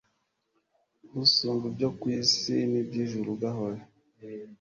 usumba ibyo ku isi n'iby'ijuru, gahore